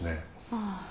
ああ。